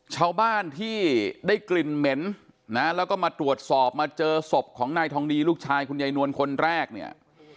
ชาวบ้านที่ได้กลิ่นเหม็นนะแล้วก็มาตรวจสอบมาเจอศพของนายทองดีลูกชายคุณยายนวลคนแรกเนี่ย